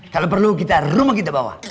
kalo perlu kita rumah kita bawa